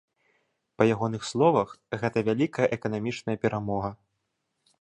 Па ягоных словах, гэта вялікая эканамічная перамога.